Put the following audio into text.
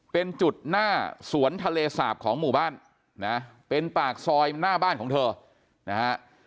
เป็นจุดหน้าสวนทะเลสาบของหมู่บ้านนะเป็นปากซอยหน้าบ้านของเธอนะฮะ